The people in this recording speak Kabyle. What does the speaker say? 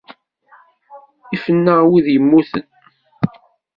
Ifen-aɣ wid yemmuten.